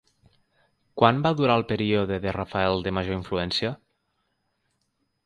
Quan va durar el període de Rafael de major influència?